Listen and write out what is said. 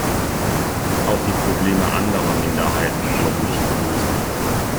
Auch die Probleme anderer Minderheiten wurden nicht gelöst.